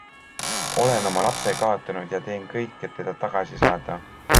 Olen oma lapse kaotanud ja teen kõik, et teda tagasi saada.